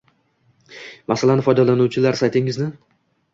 Masalan, foydalanuvchilar saytingizni